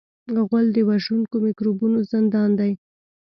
غول د وژونکو میکروبونو زندان دی.